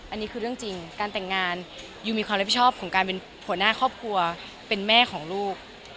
อันนี้คือเรื่องจริงการแต่งงานยูมีความรับผิดชอบของการเป็นหัวหน้าครอบครัวเป็นแม่ของลูก